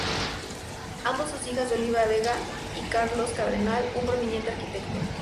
Ambas son hijas de Olivia Vega y Carlos Cardenal, un prominente arquitecto.